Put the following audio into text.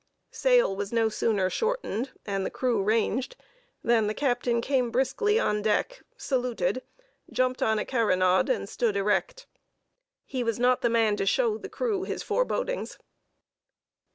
Sail was no sooner shortened, and the crew ranged, than the captain came briskly on deck, saluted, jumped on a carronade, and stood erect. He was not the man to show the crew his forebodings.